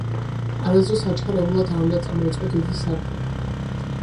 არასდროს აჩქარებულად არ უნდა წამოიწყო დიდი საქმე,